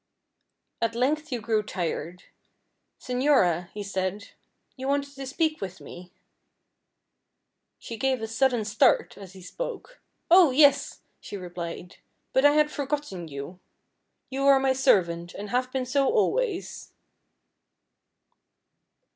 At length he grew tired. "Señora," he said, "you wanted to speak with me." She gave a sudden start as he spoke. "Oh! yes," she replied, "but I had forgotten you. You are my servant, and have been so always."